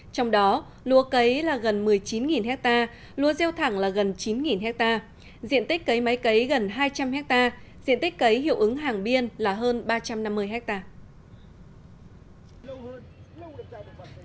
trong đó lúa cấy là gần một mươi chín hectare lúa gieo thẳng là gần chín hectare diện tích cấy máy cấy gần hai trăm linh hectare diện tích cấy hiệu ứng hàng biên là hơn ba trăm năm mươi hectare